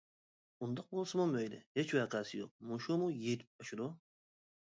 ئۇنداق بولسىمۇ مەيلى، ھېچ ۋەقەسى يوق، مۇشۇمۇ يېتىپ ئاشىدۇ.